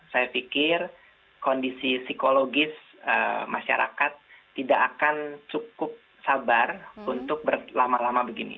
saya pikir kondisi psikologis masyarakat tidak akan cukup sabar untuk berlama lama begini